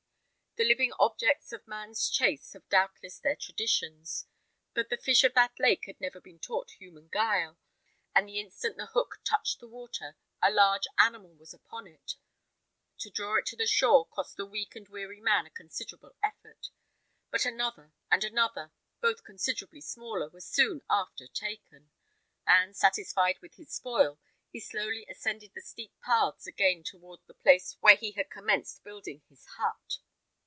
The living objects of man's chase have doubtless their traditions; but the fish of that lake had never been taught human guile, and the instant the hook touched the water a large animal was upon it. To draw it to the shore cost the weak and weary man a considerable effort; but another and another, both considerably smaller, were soon after taken; and, satisfied with his spoil, he slowly ascended the steep paths again towards the place where he had commenced building his hut.